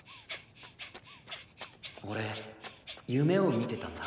俺夢を見てたんだ。